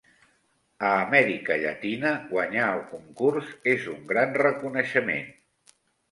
A Amèrica Llatina, guanyar el concurs és un gran reconeixement.